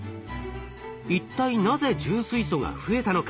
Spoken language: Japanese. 一体なぜ重水素が増えたのか？